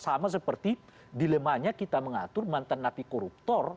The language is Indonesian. sama seperti dilemanya kita mengatur mantan napi koruptor